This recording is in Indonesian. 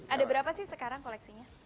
ada berapa sih sekarang koleksinya